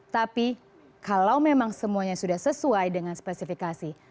tapi kalau memang semuanya sudah sesuai dengan spesifikasi